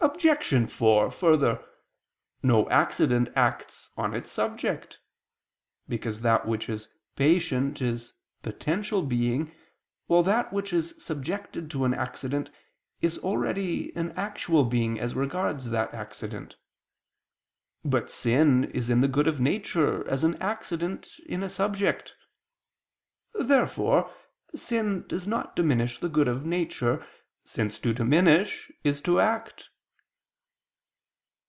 Obj. 4: Further, no accident acts on its subject: because that which is patient is a potential being, while that which is subjected to an accident, is already an actual being as regards that accident. But sin is in the good of nature as an accident in a subject. Therefore sin does not diminish the good of nature, since to diminish is to act.